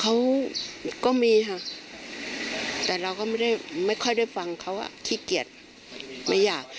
เขาก็มีค่ะแต่เราก็ไม่ได้ไม่ค่อยได้ฟังเขาอ่ะขี้เกียจไม่อยาก